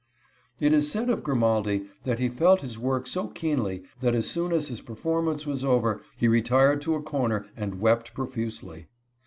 It is said of Grimaldi that he felt his work so keenly that as soon as his performance was over, he retired to a corner and wept profusely.